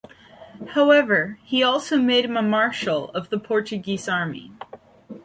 However, he also made him a Marshal of the Portuguese Army.